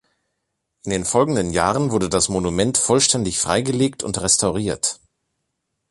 In den folgenden Jahren wurde das Monument vollständig freigelegt und restauriert.